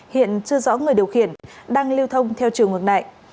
hiện chưa rõ người điều khiển đang lưu thông theo chiều ngược lại